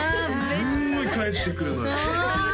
すんごい返ってくるのよお！